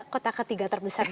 kota ketiga terbesar di bandung